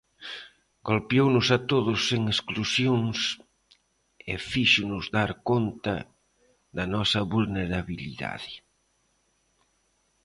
Golpeounos a todos sen exclusións e fíxonos dar conta da nosa vulnerabilidade.